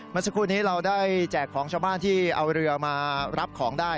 เมื่อสักครู่นี้เราได้แจกของชาวบ้านที่เอาเรือมารับของได้